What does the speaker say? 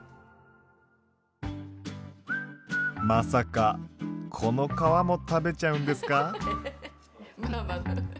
まさかこの皮も食べちゃうんですか？